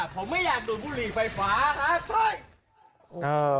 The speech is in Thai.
ผมไม่อยากดูดบุหรี่ไฟฟ้านะใช่